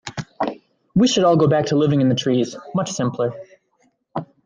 We should all go back to living in the trees, much simpler.